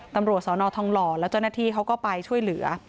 ตำรวจสอนอทองหล่อแล้วเจ้าหน้าที่เขาก็ไปช่วยเหลือ